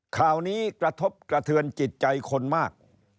ข่าวนี้กระทบกระเทือนจิตใจคนมาก